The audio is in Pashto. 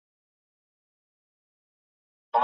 د خلګو ذوق ته جهت ورکول زموږ ګډ مسؤلیت دی.